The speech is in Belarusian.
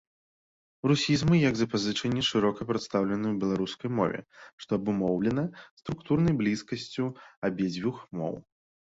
Русізмы як запазычанні шырока прадстаўлены ў беларускай мове, што абумоўлена структурнай блізкасцю абедзвюх моў.